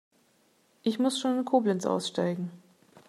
Ich muss schon in Koblenz aussteigen